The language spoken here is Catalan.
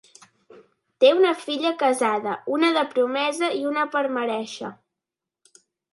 Té una filla casada, una de promesa i una per merèixer.